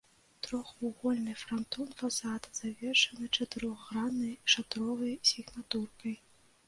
Трохвугольны франтон фасада завершаны чатырохграннай шатровай сігнатуркай.